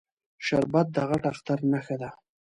شربت د غټ اختر نښه ده